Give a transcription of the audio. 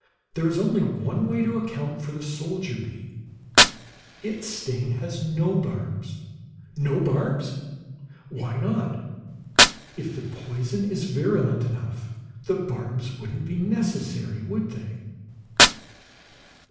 "There is only one way to account for the soldier bee. Its sting has no barbs!" "No barbs?" "Why not? If the poison is virulent enough, the barbs wouldn't be necessary, would they?